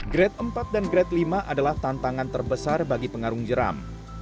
grade empat dan grade lima adalah tantangan terbesar bagi pengarung jeram